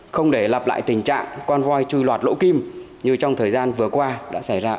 không để lặp lại tình trạng con voi chui loạt lỗ kim như trong thời gian vừa qua đã xảy ra